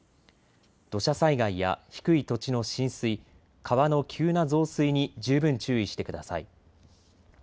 土砂災害や低い土地の浸水、川の急な増水に十分注意してください。